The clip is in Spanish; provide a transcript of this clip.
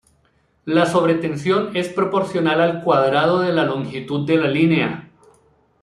La sobretensión es proporcional al cuadrado de la longitud de la línea.